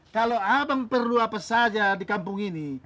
kalau abang perlu apa saja di kampung ini